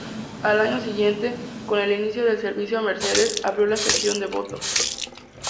Al año siguiente, con el inicio del servicio a Mercedes, abrió la estación Devoto.